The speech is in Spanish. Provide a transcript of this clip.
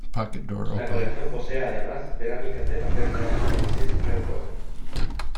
La colección posee además cerámicas de Paterna, Manises y Alcora.